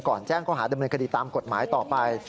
แจ้งข้อหาดำเนินคดีตามกฎหมายต่อไป